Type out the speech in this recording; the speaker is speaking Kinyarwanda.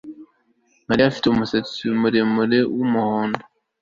Mariya afite umusatsi muremure wumuhondo